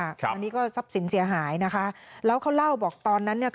อันนี้ก็ทรัพย์สินเสียหายนะคะแล้วเขาเล่าบอกตอนนั้นเนี่ย